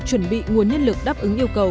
chuẩn bị nguồn nhân lực đáp ứng yêu cầu